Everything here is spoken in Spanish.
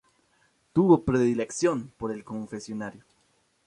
Tuvo predilección por el confesionario.